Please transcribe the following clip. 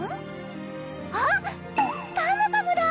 あっパムパムだ！